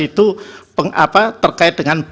itu terkait dengan